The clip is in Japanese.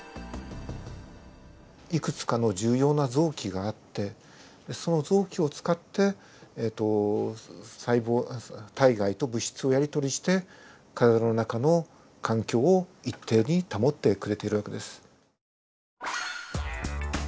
いくつかの重要な臓器があってその臓器を使って細胞体外と物質をやり取りして体の中の環境を一定に保ってくれている訳です。